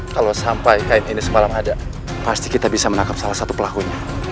kalau sampai kain ini semalam ada pasti kita bisa menangkap salah satu pelakunya